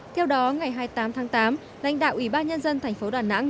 theo đó ngày hai mươi tám tháng tám lãnh đạo ủy ban nhân dân tp đà nẵng